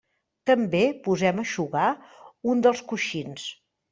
També posem a eixugar un dels coixins.